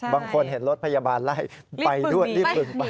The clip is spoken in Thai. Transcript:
บางคนเห็นรถพยาบาลไล่ไปด้วยรีบดึงไป